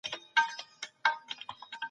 موږ بايد د خپل هېواد ساتنه وکړو.